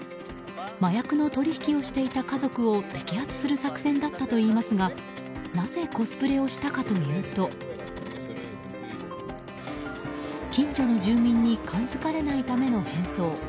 麻薬の取引をしていた家族を摘発する作戦だったといいますがなぜコスプレをしたかというと近所の住民に感づかれないための変装。